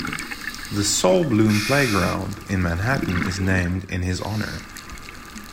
The Sol Bloom Playground in Manhattan is named in his honor.